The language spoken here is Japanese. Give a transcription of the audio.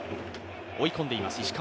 追い込んでいます石川。